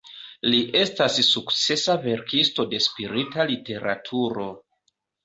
Li estas sukcesa verkisto de spirita literaturo.